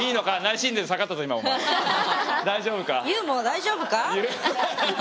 大丈夫か？